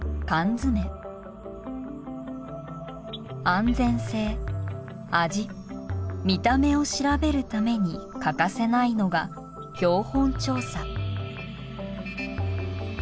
安全性味見た目を調べるために欠かせないのが標本調査。